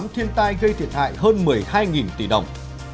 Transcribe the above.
thiên tai gây thiệt hại hơn một mươi hai tỷ đồng